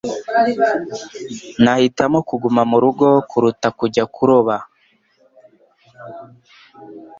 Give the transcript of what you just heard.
Nahitamo kuguma murugo kuruta kujya kuroba.